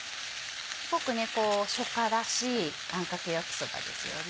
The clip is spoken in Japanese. すごく初夏らしいあんかけ焼きそばですよね。